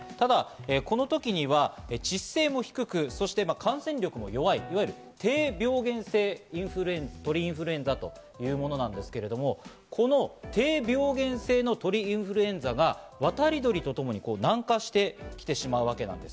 この時には致死性も低く感染力も弱い低病原性インフルエンザ、鳥インフルエンザというものですけれど、この低病原性の鳥インフルエンザが渡り鳥とともに南下してきてしまうわけです。